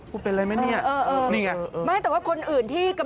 กูเป็นอะไรไหม